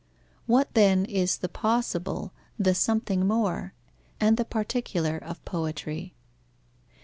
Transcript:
What, then, is the possible, the something more, and the particular of poetry?